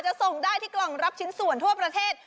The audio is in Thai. ส่งได้ที่กล่องรับชิ้นส่วนทั่วประเทศ